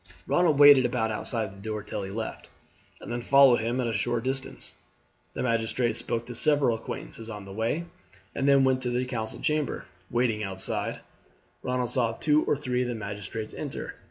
Ronald waited about outside the door till he left, and then followed him at a short distance. The magistrate spoke to several acquaintances on the way, and then went to the council chamber. Waiting outside, Ronald saw two or three of the magistrates enter.